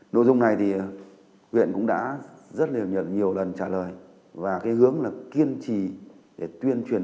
nội dung này thì huyện cũng đã rất nhiều lần trả lời và hướng kiên trì để tuyên truyền